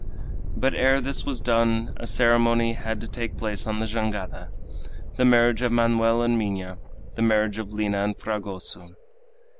But, ere this was done, a ceremony had to take place on the jangada the marriage of Manoel and Minha, the marriage of Lina and Fragoso.